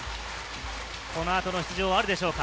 この後の出場はあるでしょうか。